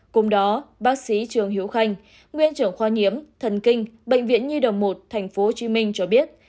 cùng đó bác sĩ trường hiếu khanh nguyên trưởng khoa nhiễm thần kinh bệnh viện nhi đồng một tp hcm cho biết